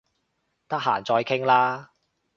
得閒再傾啦